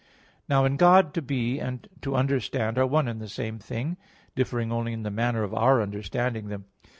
Now in God, to be and to understand are one and the same thing; differing only in the manner of our understanding them.